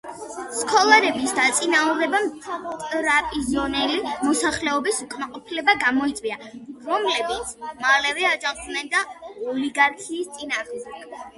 სქოლარების დაწინაურებამ ტრაპიზონელი მოსახლეობის უკმაყოფილება გამოიწვია, რომლებიც მალევე აჯანყდნენ ოლიგიარქიის წინააღმდეგ.